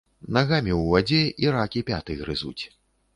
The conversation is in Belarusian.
Нагамі ў вадзе, і ракі пяты грызуць.